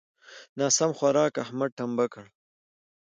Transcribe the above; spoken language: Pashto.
ناسم خوارک؛ احمد ټمبه کړ.